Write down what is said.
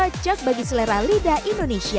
ternyata cocok bagi selera lidah indonesia